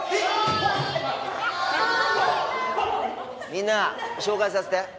みんな紹介させて。